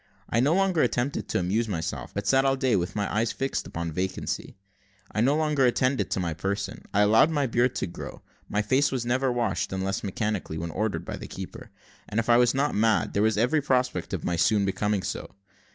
I no longer attempted to amuse myself, but sat all day with my eyes fixed upon vacancy. I no longer attended to my person; I allowed my beard to grow my face was never washed, unless mechanically, when ordered by the keeper; and, if I was not mad, there was every prospect of my soon becoming so.